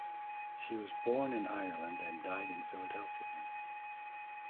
She was born in Ireland and died in Philadelphia.